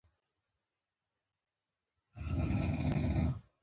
که رییس نه وای راوستي مشکل به یې پیدا شوی و.